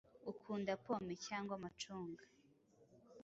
Ukunda pome cyangwa amacunga?